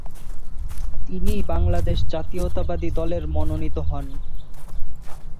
তিনি বাংলাদেশ জাতীয়তাবাদী দলের মনোনীত হন।